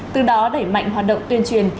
từ đó đẩy mạnh hoạt động tuyên truyền